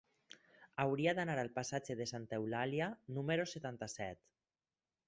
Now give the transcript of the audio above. Hauria d'anar al passatge de Santa Eulàlia número setanta-set.